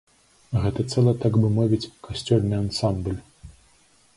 Гэта цэлы, так бы мовіць, касцёльны ансамбль.